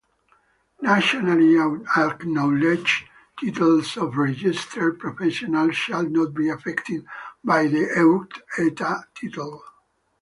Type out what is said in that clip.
Nationally acknowledged titles of registered professionals shall not be affected by the EurEta title.